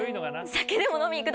酒でも飲みいく？